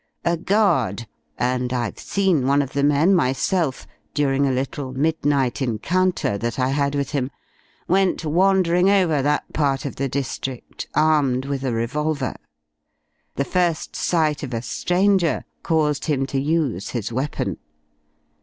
A guard and I've seen one of the men myself during a little midnight encounter that I had with him went wandering over that part of the district armed with a revolver. The first sight of a stranger caused him to use his weapon.